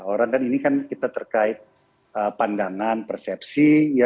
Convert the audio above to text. orang kan ini kan kita terkait pandangan persepsi